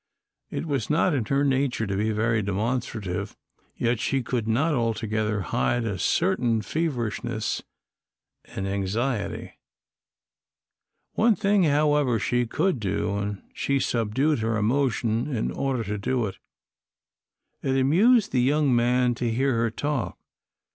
It was not in her nature to be very demonstrative, yet she could not altogether hide a certain feverishness and anxiety. One thing, however, she could do, and she subdued her emotion in order to do it. It amused the young man to hear her talk.